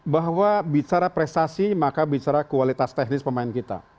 bahwa bicara prestasi maka bicara kualitas teknis pemain kita